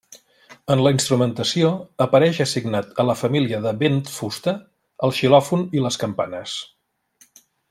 En la instrumentació apareix assignat a la família de vent-fusta, el xilòfon i les campanes.